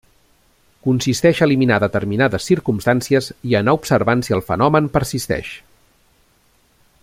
Consisteix a eliminar determinades circumstàncies, i anar observant si el fenomen persisteix.